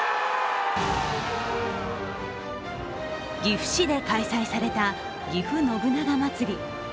岐阜市で開催されたぎふ信長まつり。